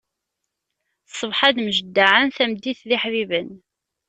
Ṣṣbeḥ ad mjeddaɛen, tameddit d iḥbiben.